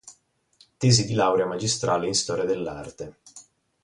Tesi di laurea magistrale in storia dell’arte.